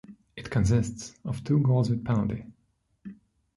It consists of two goals with penalty.